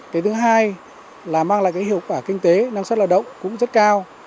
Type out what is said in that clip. thứ hai là mang lại hiệu quả kinh tế năng suất lao động cũng rất cao